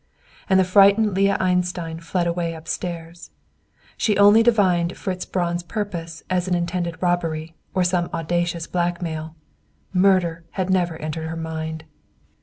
And the frightened Leah Einstein fled away upstairs. She only divined Fritz Braun's purpose as an intended robbery, or some audacious blackmail. Murder had never entered her mind!